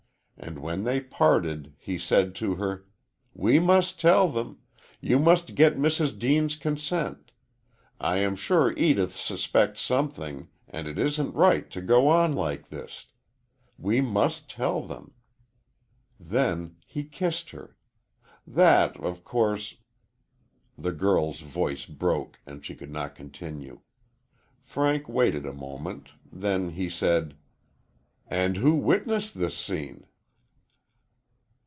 And when they parted he said to her, 'We must tell them. You must get Mrs. Deane's consent. I am sure Edith suspects something, and it isn't right to go on like this. We must tell them.' Then then he kissed her. That of course " The girl's voice broke and she could not continue. Frank waited a moment, then he said: "And who witnessed this scene?"